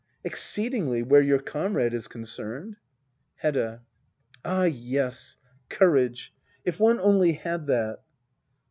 Exceedingly — where your comrade is concerned. Hedda. Ah yes — courage ! If one only had that